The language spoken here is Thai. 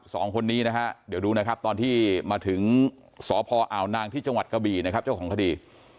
สองคนนี้นะฮะเดี๋ยวดูนะครับตอนที่มาถึงสพอ่าวนางที่จังหวัดกะบี่นะครับเจ้าของคดี